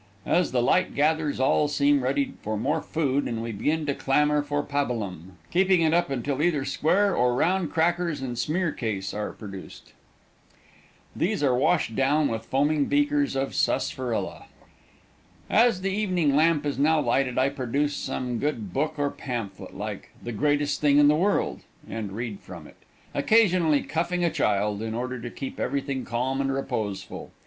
As the twilight gathers all seem ready again for more food and we begin to clamor for pabulum, keeping it up until either square or round crackers and smearcase are produced. These are washed down with foaming beakers of sarsaparilla. As the evening lamp is now lighted, I produce some good book or pamphlet like "The Greatest Thing in the World," and read from it, occasionally cuffing a child in order to keep everything calm and reposeful.